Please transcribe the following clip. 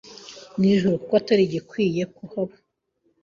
mu ijuru kuko atari agikwiriye kuhaba